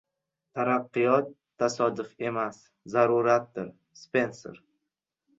Taraqqiyot tasodif emas, zaruratdir. Spenser